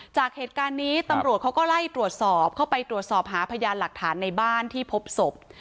จากเหตุการณ์นี้ตำรวจเขาก็ไล่ตรวจสอบเข้าไปตรวจสอบหาพยานหลักฐานในบ้านที่พบศพ